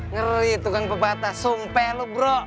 ngeri tukang pepatah sumpah lu bro